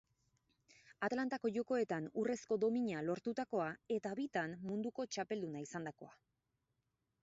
Atlantako Jokoetan urrezko domina lortutakoa eta bitan munduko txapelduna izandakoa.